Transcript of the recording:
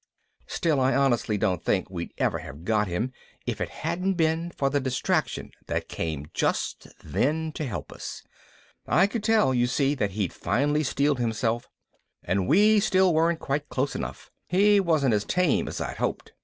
Still, I honestly don't think we'd ever have got to him if it hadn't been for the distraction that came just then to help us. I could tell, you see, that he'd finally steeled himself and we still weren't quite close enough. He wasn't as tame as I'd hoped.